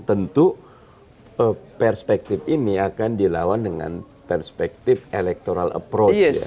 tentu perspektif ini akan dilawan dengan perspektif electoral approach ya